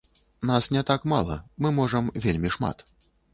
Нас не так мала, мы можам вельмі шмат.